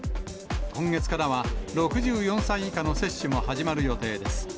今月からは６４歳以下の接種も始まる予定です。